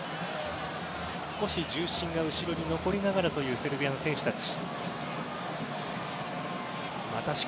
少し重心が後ろに残りながらというセルビアの選手たち。